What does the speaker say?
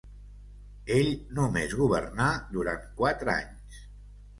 Ell només governà durant quatre anys.